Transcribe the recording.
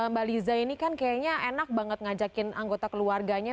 mbak liza ini kan kayaknya enak banget ngajakin anggota keluarganya